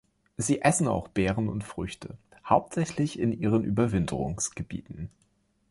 Sie essen auch Beeren und Früchte, hauptsächlich in ihren Überwinterungsgebieten.